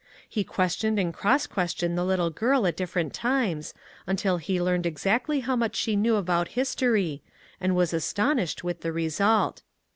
He questioned and cross questioned the little girl at different times, until he learned ex actly how much she knew about history, and was astonished with the result.